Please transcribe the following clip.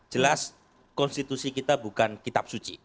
jelas konstitusi kita bukan kitab suci